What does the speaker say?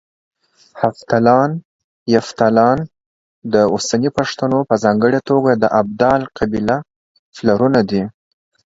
هفتلان، يفتالان د اوسني پښتنو په ځانګړه توګه د ابدال قبيله پلرونه دي